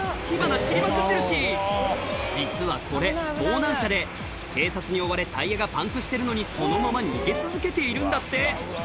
火花散りまくってるし実はこれ盗難車で警察に追われタイヤがパンクしてるのにそのまま逃げ続けているんだって